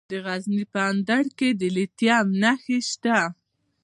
د غزني په اندړ کې د لیتیم نښې شته.